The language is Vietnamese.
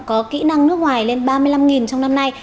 có kỹ năng nước ngoài lên ba mươi năm trong năm nay